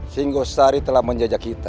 singgo sari telah menjajah kita